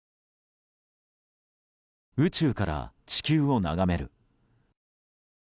宇宙から地球を眺める。